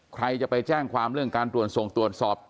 ใครจะไปแจ้งความเรื่องการตรวจส่งตรวจสอบ